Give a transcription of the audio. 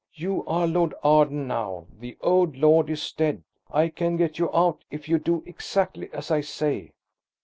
You are Lord Arden now–the old lord is dead. I can get you out if you do exactly as I say."